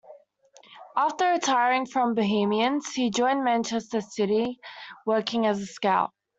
After retiring from Bohemians he joined Manchester City, working as a scout.